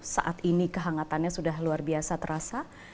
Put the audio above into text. saat ini kehangatannya sudah luar biasa terasa